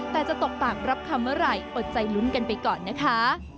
แต่จะตกปากรับคำเมื่อไหร่อดใจลุ้นกันไปก่อนนะคะ